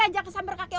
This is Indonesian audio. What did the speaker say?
aja kesamber kakeknya